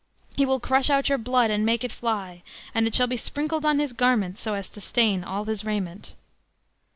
~.~.~. He will crush out your blood and make it fly, and it shall be sprinkled on his garments so as to stain all his raiment."